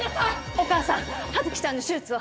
お母さん葉月ちゃんの手術は？